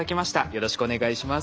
よろしくお願いします。